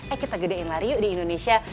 eh kita gedein lari yuk di indonesia